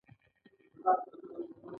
په هغه وخت کې مبادله د توکو په ډول کېدله